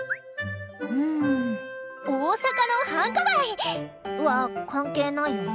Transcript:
うん大阪の繁華街！は関係ないよね。